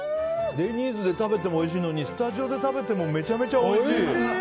デニーズで食べてもおいしいのにスタジオで食べてもめちゃくちゃおいしい！